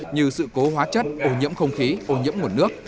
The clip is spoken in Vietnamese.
như sự cố hóa chất ô nhiễm không khí ô nhiễm nguồn nước